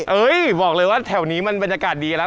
เอ้ยบอกเลยว่าแถวนี้มันบรรยากาศดีแล้ว